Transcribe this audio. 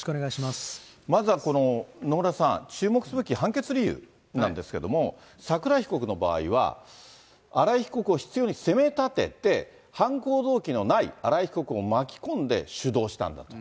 まずはこの、野村さん、注目すべき判決理由なんですけども、桜井被告の場合は、新井被告を執ように責めたてて、犯行動機のない新井被告を巻き込んで主導したんだと。